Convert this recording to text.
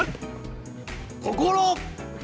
「心」。